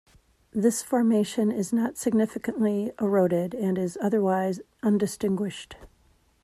This formation is not significantly eroded, and is otherwise undistinguished.